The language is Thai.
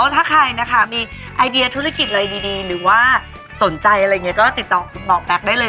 ถ้าใครนะคะมีไอเดียธุรกิจเลยดีหรือว่าสนใจอะไรอย่างเงี้ยก็ติดต่อบอกแม็กซ์ได้เลย